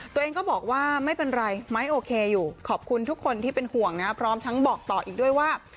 ตัวเองก็บอกว่าไม่เป็นไรไม้โอเคอยู่ขอบคุณทุกคนที่เป็นห่วงนะพร้อมทั้งบอกต่ออีกด้วยว่า